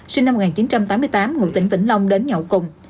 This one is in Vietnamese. sinh năm một nghìn chín trăm tám mươi tám ngụ tỉnh vĩnh long đến nhậu cùng